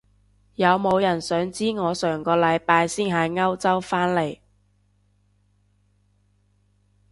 有冇人想知我上個禮拜先喺歐洲返嚟？